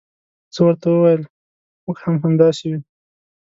زه ورته وویل موږ هم همداسې یو.